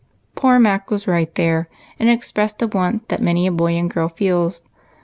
Poor Mac w^as right there, and expressed a want that many a boy and girl feels.